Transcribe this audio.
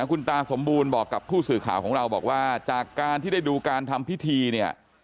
คุณตาสมบูรณ์บอกกับผู้สื่อข่าวของเราบอกว่าจากการที่ได้ดูการทำพิธีเนี่ย